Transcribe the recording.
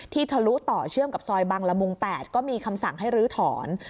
ทะลุต่อเชื่อมกับซอยบังละมุง๘ก็มีคำสั่งให้ลื้อถอน